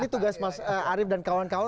ini tugas mas arief dan kawan kawan